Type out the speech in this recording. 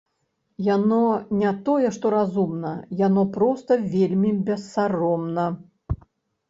Яно не тое што разумна, яно проста вельмі бессаромна.